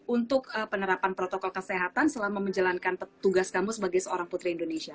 untuk penerapan protokol kesehatan selama menjalankan tugas kamu sebagai seorang putri indonesia